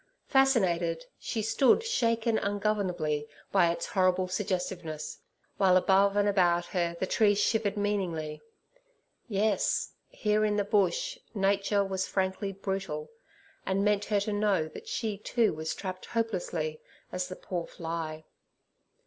Fascinated, she stood shaken ungovernably by its horrible suggestiveness, while above and about her the trees shivered meaningly. Yes, here in the Bush, Nature was frankly brutal, and meant her to know that she, too, was trapped hopelessly, as the poor fly.